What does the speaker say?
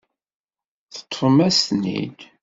Teṭṭfem-as-ten-id.